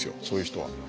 そういう人は。